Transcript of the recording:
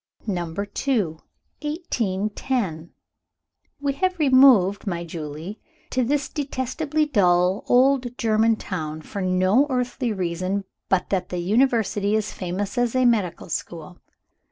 Number II. 1810. "We have removed, my Julie, to this detestably dull old German town, for no earthly reason but that the University is famous as a medical school.